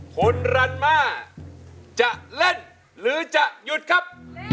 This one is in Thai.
คุณรันม่าจะเล่นหรือจะหยุดครับ